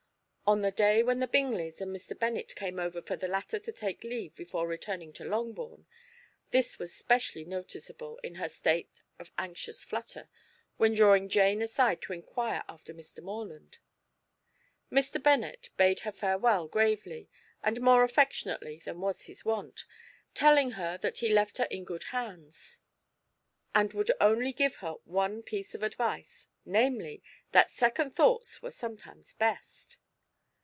On the day when the Bingleys and Mr. Bennet came over for the latter to take leave before returning to Longbourn, this was specially noticeable in her state of anxious flutter when drawing Jane aside to inquire after Mr. Morland. Mr. Bennet bade her farewell gravely and more affectionately than was his wont, telling her that he left her in good hands, and would only give her one piece of advice, namely, that second thoughts were sometimes best.